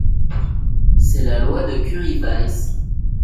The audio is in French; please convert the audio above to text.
C'est la loi de Curie-Weiss.